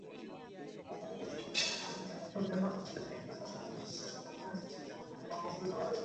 Ibtihaj Muhammad, যুক্তরাষ্ট্রের প্রথম নারী অলিম্পিয়ান যিনি হিজাব পরে খেলতে নেমেছেন।